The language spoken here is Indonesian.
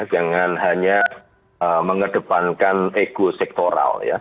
jangan hanya mengedepankan ekosektoral ya